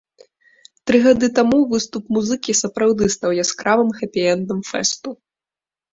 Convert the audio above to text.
Тры гады таму выступ музыкі сапраўды стаў яскравым хэпі-эндам фэсту.